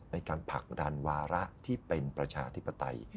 ในการผลักดันวาระที่เป็นประชาธิปไตย